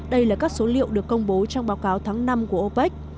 đây là các số liệu được công bố trong báo cáo tháng năm của opec